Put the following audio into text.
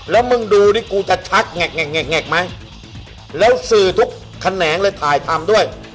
แล้วมึงดูนี่กูจะชักแหกไหมแล้วสื่อทุกแขนงเลยถ่ายทำด้วย